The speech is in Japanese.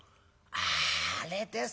「あああれですか。